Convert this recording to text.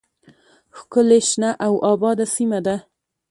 ښکلې شنه او آباده سیمه ده